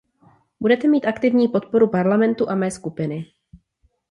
Budete mít aktivní podporu Parlamentu a mé skupiny.